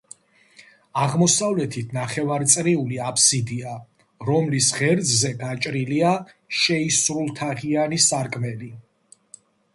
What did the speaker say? აღმოსავლეთით ნახევარწრიული აფსიდია, რომლის ღერძზე გაჭრილია შეისრულთაღიანი სარკმელი.